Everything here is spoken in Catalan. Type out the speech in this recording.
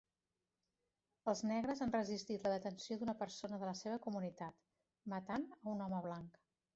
Els negres han resistit la detenció d'una persona de la seva comunitat, matant a un home blanc.